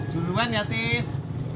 jalan ya tis